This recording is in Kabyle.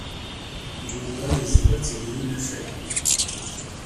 Yuba yeẓra-t deg unafag.